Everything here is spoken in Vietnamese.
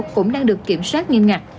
cũng đang được kiểm soát nghiêm ngặt